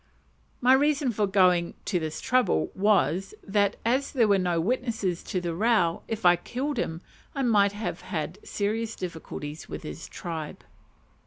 My reason for going to this trouble was, that as there were no witnesses to the row, if I killed him, I might have had serious difficulties with his tribe.